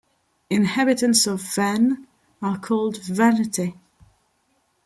Inhabitants of Vannes are called "Vannetais".